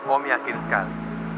om yakin sekali